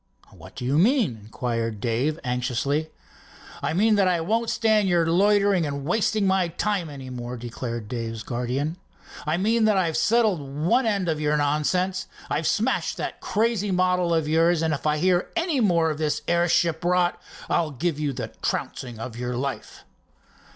"What do you mean?" inquired Dave anxiously. "I mean that I won't stand you loitering and wasting my time any more," declared Dave's guardian. "I mean that I've settled one end of your nonsense. I've smashed that crazy model of yours, and if I hear any more of this airship rot, I'll give you the trouncing of your life."